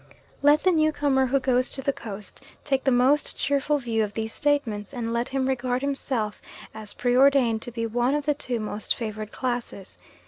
Let the new comer who goes to the Coast take the most cheerful view of these statements and let him regard himself as preordained to be one of the two most favoured classes.